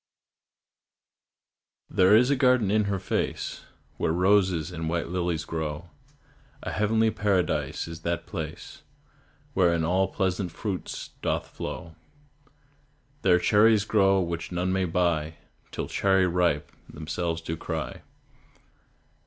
There is a garden in her face Where roses and white lilies grow; A heavenly paradise is that place Wherein all pleasant fruits doth flow. There cherries grow which none may buy, Till "Cherry ripe" themselves do cry.